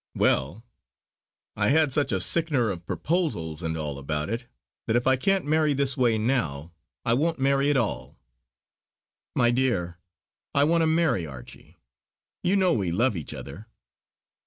Well, I had such a sickener of proposals and all about it, that if I can't marry this way now, I won't marry at all. My dear, I want to marry Archie; you know we love each other."